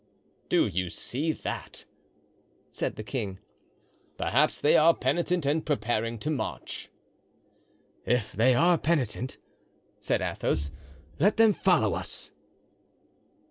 "Do you see that?" said the king. "Perhaps they are penitent and preparing to march." "If they are penitent," said Athos, "let them follow us."